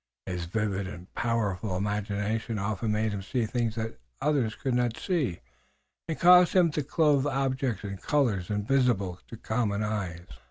His vivid and powerful imagination often made him see things others could not see and caused him to clothe objects in colors invisible to common eyes.